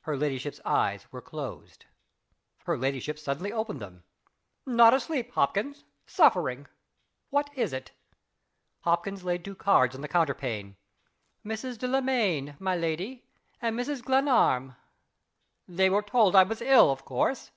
Her ladyship's eyes were closed. Her ladyship suddenly opened them. "Not asleep, Hopkins. Suffering. What is it?" Hopkins laid two cards on the counterpane. "Mrs. Delamayn, my lady and Mrs. Glenarm." "They were told I was ill, of course?"